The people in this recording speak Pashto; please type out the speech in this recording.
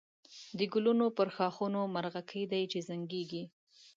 د گلونو پر ښاخونو مرغکۍ دی چی زنگېږی